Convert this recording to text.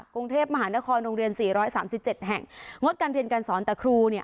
กรุงเทพมหานครโรงเรียนสี่ร้อยสามสิบเจ็ดแห่งงดการเรียนการสอนแต่ครูเนี่ย